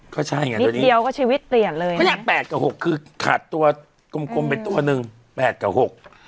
ก็ใช่อย่างนี้นะก็ชีวิตเปลี่ยนตั้งแต่๘กับ๖คือขาดตัวกลมเป็นตัวหนึ่ง๘กับ๖